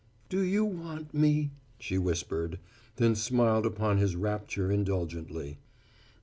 "Do you want me?" she whispered; then smiled upon his rapture indulgently.